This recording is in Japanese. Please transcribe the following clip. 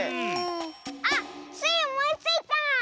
あっスイおもいついた！